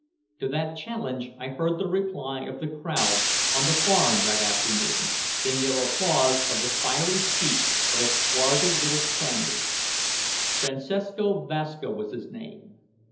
To that challenge I heard the reply of the crowd, on the Farm that afternoon, in their applause of the fiery speech of a swarthy little Spaniard. Francesco Vasca was his name.